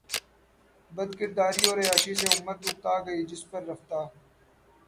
بدکرداری اور عیاشی سے امت اکتا گئ جس پر رفتہ